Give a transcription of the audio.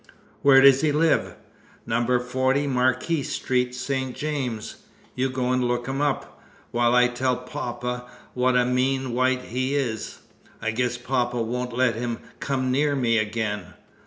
"Where does he live?" "Number 40, Marquis Street, St. James's. You go and look him up, while I tell poppa what a mean white he is. I guess poppa won't let him come near me again.